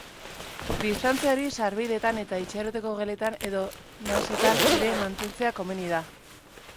Distantzia hori sarbideetan eta itxaroteko geletan edo nasetan ere mantentzea komeni da.